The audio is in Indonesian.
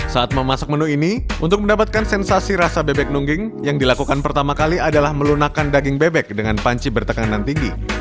saat memasak menu ini untuk mendapatkan sensasi rasa bebek nungging yang dilakukan pertama kali adalah melunakan daging bebek dengan panci bertekanan tinggi